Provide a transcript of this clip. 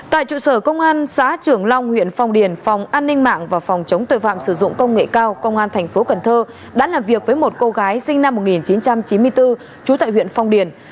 tại trụ sở công an xã trưởng long huyện phong điền phòng an ninh mạng và phòng chống tội phạm sử dụng công nghệ cao công an thành phố cần thơ đã làm việc với một cô gái sinh năm một nghìn chín trăm chín mươi bốn trú tại huyện phong điền